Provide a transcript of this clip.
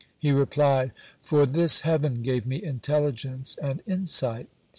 He replied: "For this heaven gave me intelligence and insight."